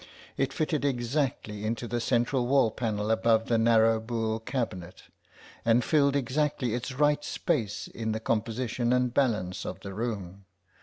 It fitted exactly into the central wall panel above the narrow buhl cabinet, and filled exactly its right space in the composition and balance of the room.